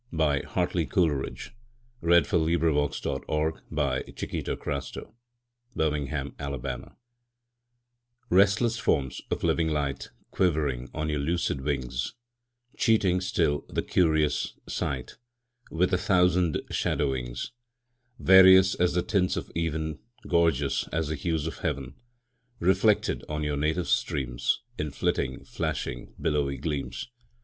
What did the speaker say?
G H . I J . K L . M N . O P . Q R . S T . U V . W X . Y Z Address to Certain Golfishes RESTLESS forms of living light Quivering on your lucid wings, Cheating still the curious sight With a thousand shadowings; Various as the tints of even, Gorgeous as the hues of heaven, Reflected on you native streams In flitting, flashing, billowy gleams!